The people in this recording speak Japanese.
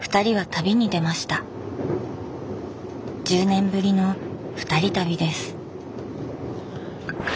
１０年ぶりのふたり旅です。